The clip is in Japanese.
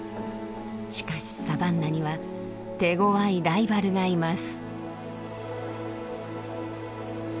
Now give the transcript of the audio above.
しかしサバンナには手ごわいライバルがいます。